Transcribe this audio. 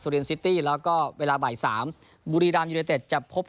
เรียนซิตี้แล้วก็เวลาบ่ายสามบุรีรามยูเนเต็ดจะพบ